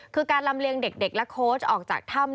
คือการลำเลียงเด็กและโค้ชออกจากถ้ำ